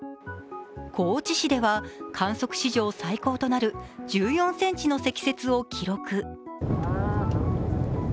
高知市では観測史上最高となる１４ｃｍの積雪を記録。